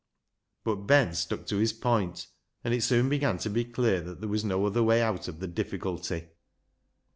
But Ben stuck to his point, and it soon began to be clear that there was no other way out of the difficulty.